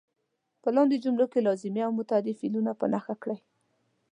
په لاندې جملو کې لازمي او متعدي فعلونه په نښه کړئ.